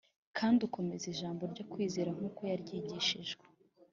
kandi ukomeza ijambo ryo kwizerwa nk’uko yaryigishijwe